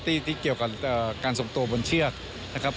ที่เกี่ยวกับการส่งตัวบนเชือกนะครับ